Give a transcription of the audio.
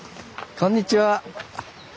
こんにちは。